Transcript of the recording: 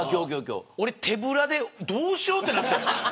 俺、手ぶらでどうしようってなって。